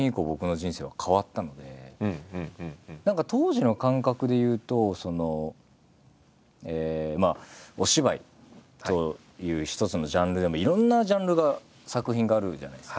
何か当時の感覚でいうとお芝居という一つのジャンルでもいろんなジャンルが作品があるじゃないですか。